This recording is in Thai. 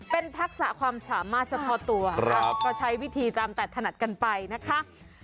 เป็นทักษะความสามารถเฉพาะตัวก็ใช้วิธีตามแต่ถนัดกันไปนะคะ